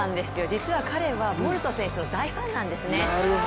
実は彼はボルト選手の大ファンなんですね。